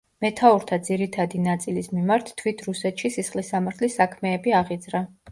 მეთაურთა ძირითადი ნაწილის მიმართ თვით რუსეთში სისხლის სამართლის საქმეები აღიძრა.